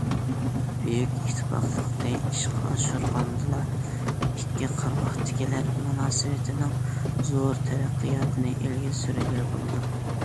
بۈيۈك ئىتتىپاقلىقنى ئىشقا ئاشۇرغاندىلا، ئىككى قىرغاقتىكىلەر مۇناسىۋىتىنىڭ زور تەرەققىياتىنى ئىلگىرى سۈرگىلى بولىدۇ.